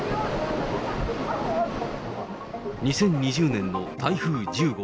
２０２０年の台風１０号。